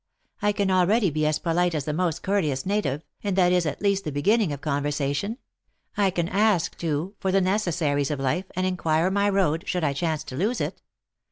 I can already be as polite as the most courteous native, and that is, at least, the beginning of conversation. I can ask, too, for the necessaries of life, and inquire my road, should I chance to lose it.